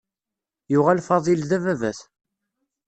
Yuɣal Faḍil d ababat.